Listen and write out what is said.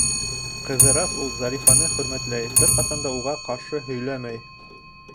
Ҡыҙырас ул Зари-фаны хөрмәтләй, бер ҡасан да уға ҡаршы һөйләмәй.